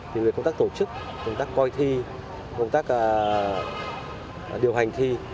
thì về công tác tổ chức công tác coi thi công tác điều hành thi